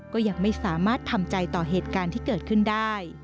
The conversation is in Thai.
ก็ยังไม่สามารถทำใจต่อเหตุการณ์ที่เกิดขึ้นได้